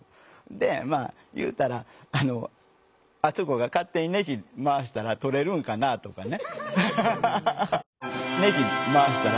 でまあ言うたらあのアソコが勝手にネジまわしたら取れるんかなぁとかね。